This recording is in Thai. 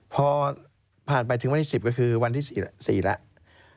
พอผ่านไปถึงวันที่๑๐ก็คือวันที่๔แล้ว